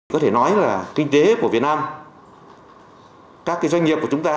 có thể nói là kinh tế của việt nam các doanh nghiệp của chúng ta